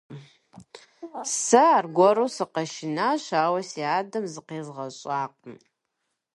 Сэ аргуэру сыкъэшынащ, ауэ си адэм зыкъезгъэщӀакъым.